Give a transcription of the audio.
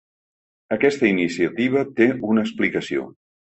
Aquesta iniciativa té una explicació.